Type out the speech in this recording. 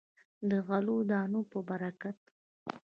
د غلو دانو په برکت.